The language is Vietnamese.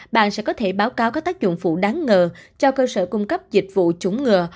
bạn sẽ có thể báo cáo các tác dụng phụ đáng ngờ cho cơ sở cung cấp dịch vụ chống ngừa